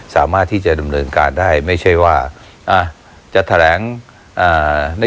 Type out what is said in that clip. สามารถที่จะดำเนินการได้ไม่ใช่ว่าอ่าจะแถลงอ่า